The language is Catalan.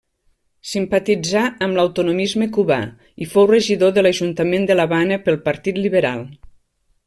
Simpatitzà amb l'autonomisme cubà, i fou regidor de l'Ajuntament de l'Havana pel Partit Liberal.